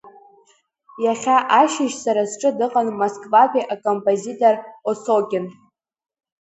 Иахьа ашьыжь сара сҿы дыҟан Москватәи акомпозитор Осокин.